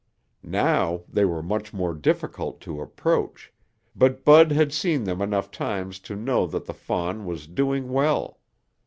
Now they were much more difficult to approach, but Bud had seen them enough times to know that the fawn was doing well.